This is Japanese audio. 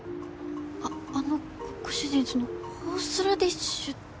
ああのご主人そのホースラディッシュって。